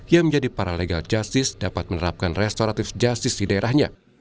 yang menjadi paralegal justice dapat menerapkan restoratif justice di daerahnya